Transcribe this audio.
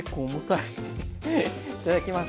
いただきます。